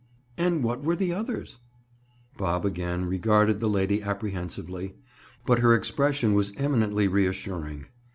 And what were the others?" Bob again regarded the lady apprehensively, but her expression was eminently reassuring.